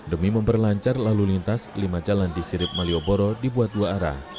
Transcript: demi memperlancar lalu lintas lima jalan di sirip malioboro dibuat dua arah